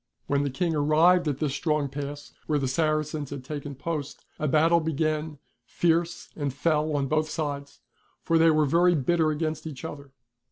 When the King arrived at this strong pass where the Saracens had taken post, a battle began, fierce and fell on both sides, for they were very bitter against each other.